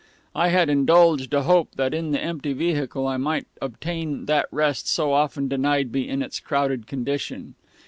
I had indulged a hope that in the empty vehicle I might obtain that rest so often denied me in its crowded condition.